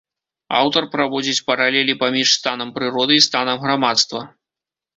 Аўтар праводзіць паралелі паміж станам прыроды і станам грамадства.